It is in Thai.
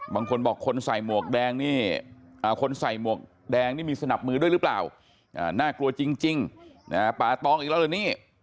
บางคนบอกคนใส่หมวกแดงนี่มีสนับมือด้วยหรือเปล่าน่ากลัวจริงป่าตองอีกแล้วเลยนี่